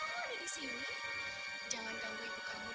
makasih visas om dong